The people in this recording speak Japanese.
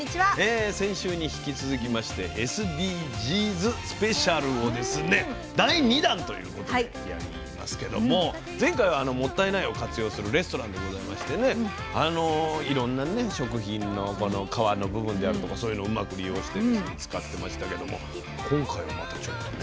先週に引き続きましてＳＤＧｓスペシャルをですね第２弾ということでやりますけども前回はもったいないを活用するレストランでございましてねいろんな食品の皮の部分であるとかそういうのをうまく利用して使ってましたけども今回はまたちょっとね。